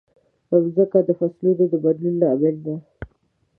مځکه د فصلونو د بدلون لامل ده.